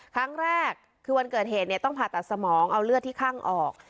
ครั้งแรกคือวันเกิดเหตุต้องผ่าตัดสมองเอาเลือดที่ข้างออก